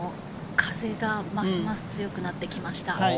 ただ風がますます強くなってきました。